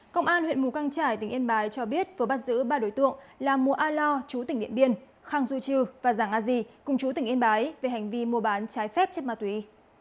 công an huyện mù căng trải tỉnh yên bái cho biết vừa bắt giữ ba đối tượng là mùa a lo chú tỉnh điện biên khang du trư và giàng a di cùng chú tỉnh yên bái về hành vi mua bán trái phép chất ma túy